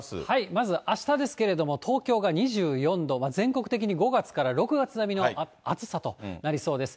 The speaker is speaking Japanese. まず、あしたですけれども、東京が２４度、全国的に５月から６月並みの暑さとなりそうです。